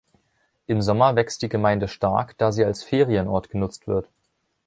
Im Sommer wächst die Gemeinde stark, da sie als Ferienort genutzt wird.